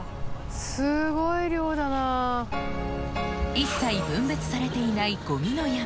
一切分別されていないゴミの山